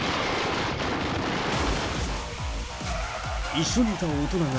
一緒にいた大人が、